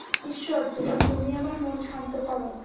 হে ঈশ্বর, তুমি আমার মন শান্ত কর।